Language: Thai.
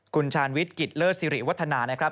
คุณชาญวิทย์กิจเลิศสิริวัฒนานะครับ